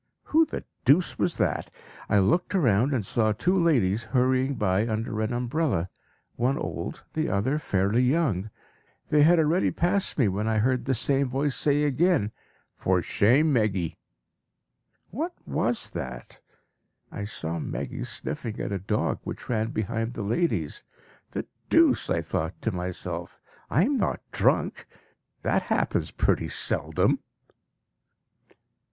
Who the deuce was that? I looked round and saw two ladies hurrying by under an umbrella one old, the other fairly young. They had already passed me when I heard the same voice say again, "For shame, Meggy!" What was that? I saw Meggy sniffing at a dog which ran behind the ladies. The deuce! I thought to myself, "I am not drunk? That happens pretty seldom."